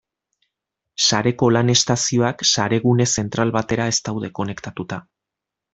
Sareko lan-estazioak sare gune zentral batera ez daude konektatuta.